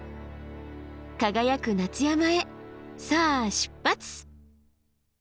輝く夏山へさあ出発！